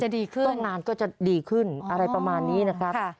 ดีขึ้นก็งานก็จะดีขึ้นอะไรประมาณนี้นะครับ